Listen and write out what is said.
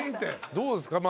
どうですか？